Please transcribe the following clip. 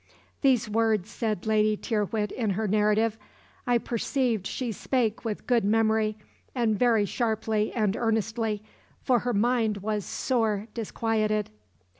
"These words," said Lady Tyrwhitt in her narrative, "I perceived she spake with good memory, and very sharply and earnestly, for her mind was sore disquieted."